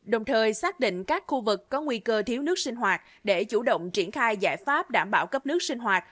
đồng thời xác định các khu vực có nguy cơ thiếu nước sinh hoạt để chủ động triển khai giải pháp đảm bảo cấp nước sinh hoạt